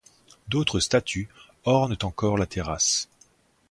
D’autres statues ornent encore la terrasse.